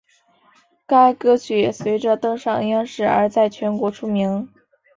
该歌曲也随着登上央视而在全国出名。